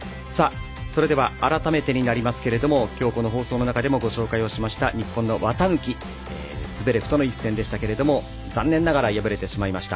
それでは改めてになりますが今日、この放送の中でご紹介しました、綿貫とズベレフとの一戦でしたけれども残念ながら敗れてしまいました。